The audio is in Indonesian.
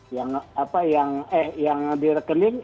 yang apa yang eh yang di rekening